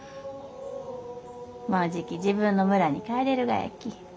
もうじき自分の村に帰れるがやき。